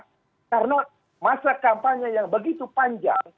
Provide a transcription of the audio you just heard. karena masa kampanye yang begitu panjang